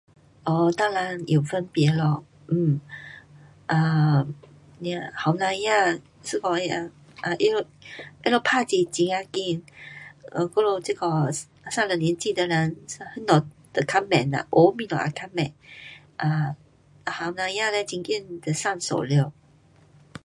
um 当然有分别咯，um 啊，年轻人，一下子，um 他们打字很呀快，um 我们这下上了年纪的人，什么都较慢呐，学东西也较慢。um 年轻人呢很快就上手了。